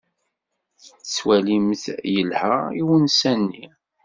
Tettwalimt-t yelha i unsa-nni?